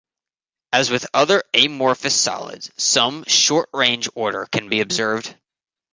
As with other amorphous solids, some short-range order can be observed.